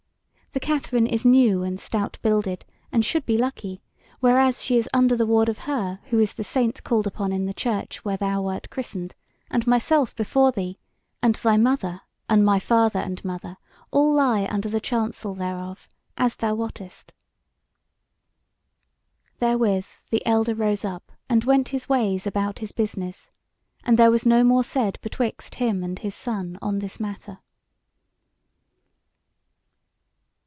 The Katherine is new and stout builded, and should be lucky, whereas she is under the ward of her who is the saint called upon in the church where thou wert christened, and myself before thee; and thy mother, and my father and mother all lie under the chancel thereof, as thou wottest." Therewith the elder rose up and went his ways about his business, and there was no more said betwixt him and his son on this matter.